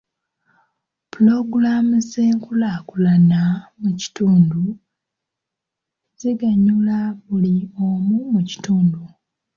Pulogulaamu z'enkulaakulana mu kitundu ziganyula buli omu mu kitundu.